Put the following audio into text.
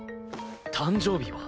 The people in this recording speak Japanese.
誕生日は？